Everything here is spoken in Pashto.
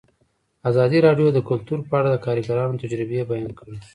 ازادي راډیو د کلتور په اړه د کارګرانو تجربې بیان کړي.